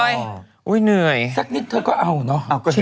แล้วดาวินชิเกมทรรหัสใช่เหรอ